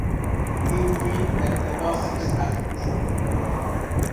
این فیلم اقتباسی است از بوف کور.